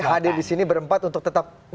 adil disini berempat untuk tetap